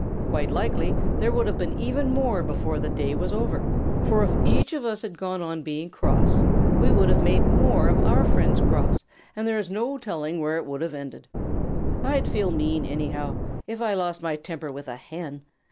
Quite likely there would have been even more before the day was over, for if each of us had gone on being cross we would have made more of our friends cross, and there is no telling where it would have ended. I'd feel mean, anyhow, if I lost my temper with a Hen.